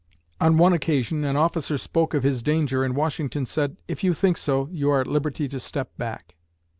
On one occasion, an officer spoke of his danger and Washington said, "If you think so, you are at liberty to step back."